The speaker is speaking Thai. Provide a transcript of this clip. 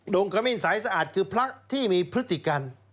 ขมิ้นสายสะอาดคือพระที่มีพฤติกรรม